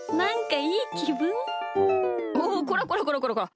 おっこらこらこらこらこら！